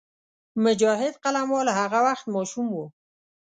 مجاهد قلموال هغه وخت ماشوم وو.